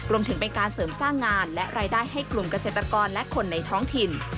รวมถึงเป็นการเสริมสร้างงานและรายได้ให้กลุ่มเกษตรกรและคนในท้องถิ่น